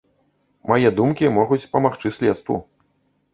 Мае думкі могуць памагчы следству.